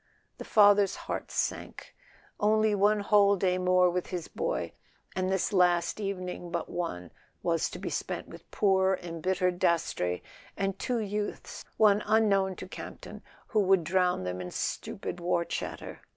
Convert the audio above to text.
The father's heart sank. Only one whole day more with his boy, and this last evening but one was to be spent with poor embittered Dastrey, and two youths, one unknown to Campton, who would drown them in stupid war chatter!